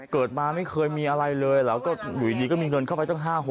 เกิดมาไม่เคยมีอะไรเลยแล้วก็อยู่ดีก็มีเงินเข้าไปตั้ง๕๐๐